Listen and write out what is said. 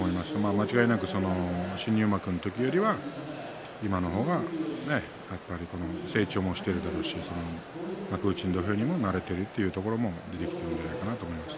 間違いなく新入幕の時より今の方がやっぱり成長もしているだろうし幕内の土俵にも慣れているというところも出てきてるんじゃないかなと思います。